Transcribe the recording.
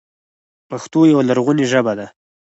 پښتو یوه لرغوني ژبه ده.